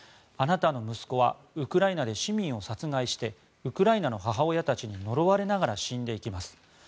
あなたの息子はウクライナで市民を殺害してウクライナの母親たちに呪われながら死んでいきます。